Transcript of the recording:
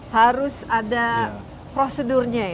harus ada prosedurnya ini